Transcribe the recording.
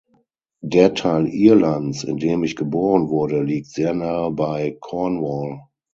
Der Teil Irlands, in dem ich geboren wurde, liegt sehr nahe bei Cornwall.